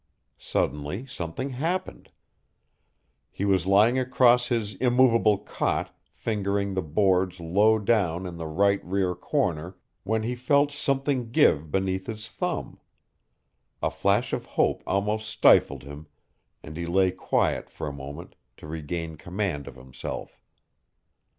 Suddenly something happened. He was lying across his immovable cot fingering the boards low down in the right rear corner when he felt something give beneath his thumb. A flash of hope almost stifled him, and he lay quiet for a moment to regain command of himself.